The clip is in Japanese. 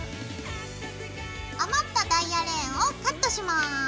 余ったダイヤレーンをカットします。